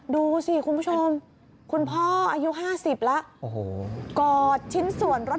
ดูสิคุณผู้ชมคุณพ่ออายุ๕๐ปีแล้ว